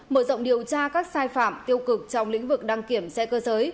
mở rộng điều tra các sai phạm tiêu cực trong lĩnh vực đăng kiểm xe cơ giới